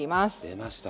出ました。